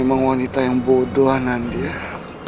kau memang wanita yang bodohan andes